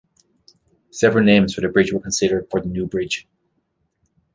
Several names for the bridge were considered for the new bridge.